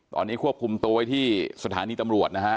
ตอนนี้ควบคุมตัวไว้ที่สถานีตำรวจนะฮะ